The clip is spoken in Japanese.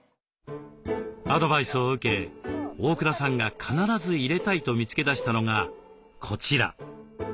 アドバイスを受け大倉さんが必ず入れたいと見つけだしたのがこちら。